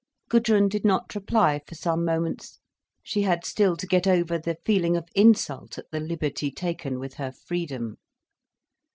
Gudrun did not reply for some moments. She had still to get over the feeling of insult at the liberty taken with her freedom.